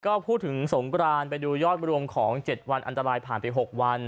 ก็พูดถึงสงกรานไปดูยอดรวมของ๗วันอันตรายผ่านไป๖วัน